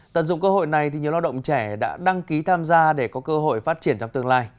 tận dụng cơ hội này nhiều lao động trẻ đã đăng ký tham gia để có cơ hội phát triển trong tương lai